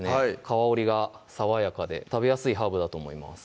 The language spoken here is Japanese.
香りがさわやかで食べやすいハーブだと思います